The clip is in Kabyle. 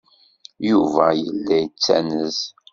Yuba yella yettanez.